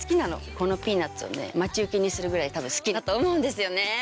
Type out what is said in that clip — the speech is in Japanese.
このピーナツを待ち受けにするぐらい多分好きだと思うんですよね。